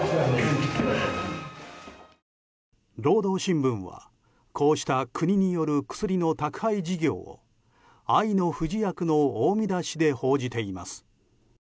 労働新聞はこうした国による薬の宅配事業を「愛の不死薬」の大見出しで報じています。